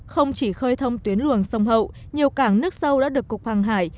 không chỉ khơi thông tuyến luồng sông hậu nhiều cảng nước sâu đã được cục hàng hải